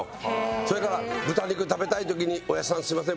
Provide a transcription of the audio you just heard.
それから豚肉食べたい時に「おやっさんすいません